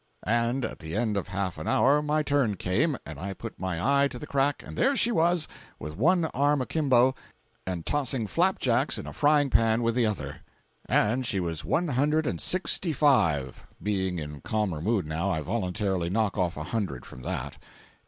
And at the end of half of an hour my turn came, and I put my eye to the crack, and there she was, with one arm akimbo, and tossing flap jacks in a frying pan with the other. And she was one hundred and sixty five [Being in calmer mood, now, I voluntarily knock off a hundred from that.